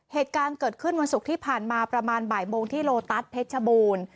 เหตุการณ์เกิดขึ้นวันศุกร์ที่ผ่านมาประมาณบ่ายโมงที่โลตัสเพชรชบูรณ์